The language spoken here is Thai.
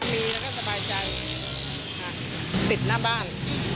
มีแล้วก็สบายใจติดหน้าบ้าน